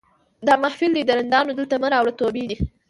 دا محفل دی د رندانو دلته مه راوړه توبې دي